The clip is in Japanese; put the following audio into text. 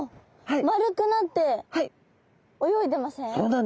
丸くなって泳いでません？